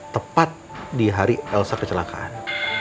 tepat di hari elsa kecelakaan